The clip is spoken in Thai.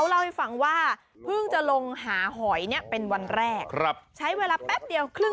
หาหอยไปขายได้กว่า๒๐๐บาทแล้วคุณ